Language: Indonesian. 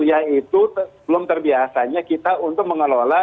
yaitu belum terbiasanya kita untuk mengelola